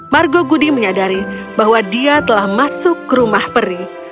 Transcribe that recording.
margo budi menyadari bahwa dia telah masuk ke rumah peri